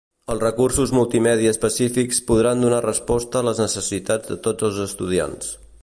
Els recursos multimèdia específics podran donar resposta a les necessitats de tots els estudiants.